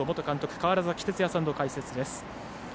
川原崎哲也さんの解説です。